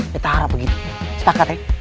kita harap begitu sepakat ya